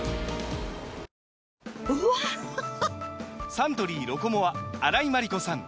サントリー「ロコモア」荒井眞理子さん